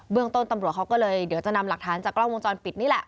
ต้นตำรวจเขาก็เลยเดี๋ยวจะนำหลักฐานจากกล้องวงจรปิดนี่แหละ